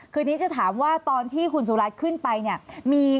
คือนี้จะถามว่าตอนที่คุณสุรัตน์ขึ้นไปเนี่ย